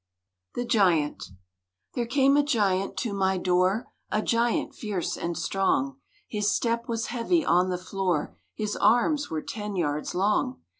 ] THE GIANT There came a Giant to my door, A Giant fierce and strong; His step was heavy on the floor, His arms were ten yards long.